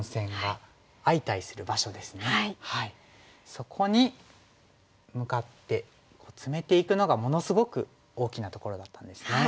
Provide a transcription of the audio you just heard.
そこに向かってツメていくのがものすごく大きなところだったんですね。